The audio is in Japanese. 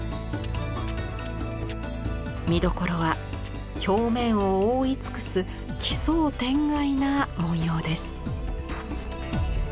見どころは表面を覆い尽くす奇想天外な文様です。